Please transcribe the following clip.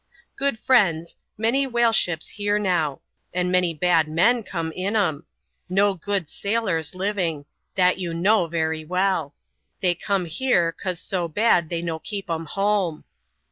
" Good friends, many whale ships here now ; and many bad men come in 'em. No good 8ail(H*8 living — that you know very well. They come here, 'cause so bad they no keep 'em home.